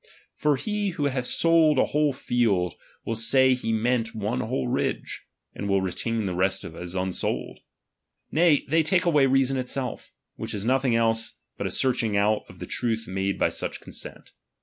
For he who hath sold a whole field, will say he meant one whole ridge ; and will retain the rest as unsold. Nay, they take away reason itself ; which is nothing else but a search ing out of the truth made by such consent.